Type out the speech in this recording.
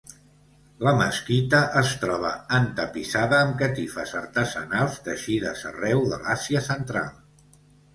La mesquita es troba entapissada amb catifes artesanals teixides arreu de l'Àsia central.